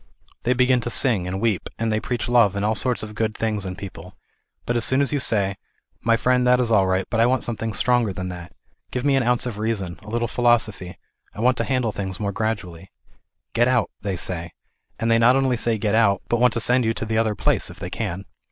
They begin to sing and weep, and they preach love and all sorts of good things in life, but as soon as you say " My friend, that is all right, but I want something stronger than that ; give me an ounce of reason, a little philosophy ; I want to handle things more gradually." " Get out,'r they say, and they not only say get out, but want to send you to the other place, if they can.